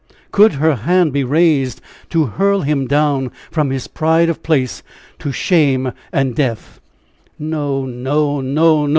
Could her hand be raised to hurl him down from his pride of place to shame and death? No, no, no, no!